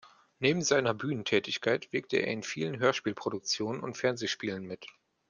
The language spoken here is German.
Neben seiner Bühnentätigkeit wirkte er in vielen Hörspielproduktionen und Fernsehspielen mit.